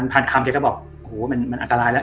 พันคำแกก็บอกโหมันอันตรายแล้ว